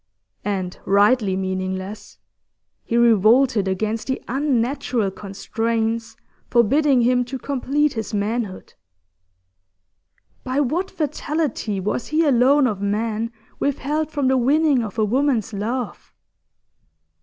And rightly meaningless: he revolted against the unnatural constraints forbidding him to complete his manhood. By what fatality was he alone of men withheld from the winning of a woman's love?